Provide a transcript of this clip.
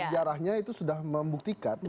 sejarahnya itu sudah membuktikan